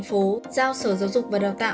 giao sở giáo dục và đào tạo